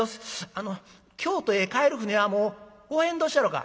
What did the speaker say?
あの京都へ帰る舟はもうおへんどっしゃろか？」。